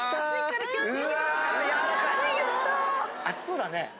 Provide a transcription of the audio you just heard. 熱そうだね。